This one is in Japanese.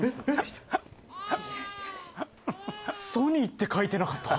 ＳＯＮＹって書いてなかった？